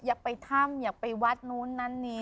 อยากไปถ้ำอยากไปวัดนู้นนั้นนี้